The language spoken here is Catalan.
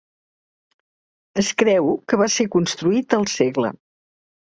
Es creu que va ser construït al segle.